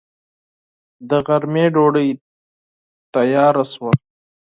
د غرمې ډوډۍ تياره شوه.